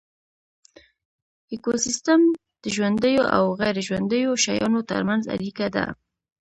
ایکوسیستم د ژوندیو او غیر ژوندیو شیانو ترمنځ اړیکه ده